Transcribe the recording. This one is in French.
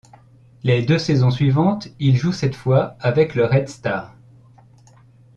Les deux saisons suivantes, il joue cette fois avec le Red Star.